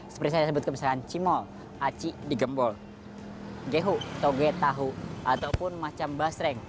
seperti saya sebut kebesaran cimol aci di gembol gehu toge tahu ataupun macam basreng